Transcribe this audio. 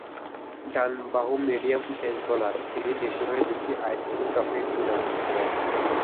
ডান বাহু medium pace bowler, তিনি দেশের হয়ে দুটি আইসিসি ট্রফি টুর্নামেন্টে খেলেন।